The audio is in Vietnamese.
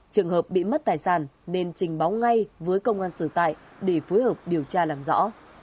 trường hợp bị mất tài sản nên trình báo ngay với công an sở tại để phối hợp điều tra làm rõ